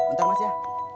ntar mas ya